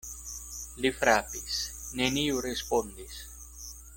Li frapis: neniu respondis.